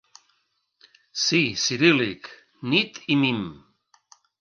Sí, ciríl·lic: nit i mim.